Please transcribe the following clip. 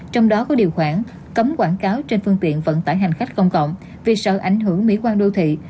trong đó có điều khoản cấm quảng cáo trên phương tiện vận tải hành khách công cộng vì sợ ảnh hưởng mỹ quan đô thị